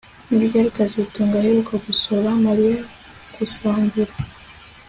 Ni ryari kazitunga aheruka gusohora Mariya gusangira